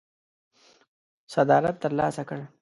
صدارت ترلاسه کړ.